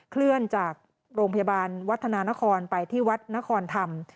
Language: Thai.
เคลื่อนจากโรงพยาบาลวัฒนานครไปที่วัดนครธรรม